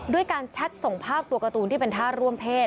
ด้วยการแชทส่งภาพตัวการ์ตูนที่เป็นท่าร่วมเพศ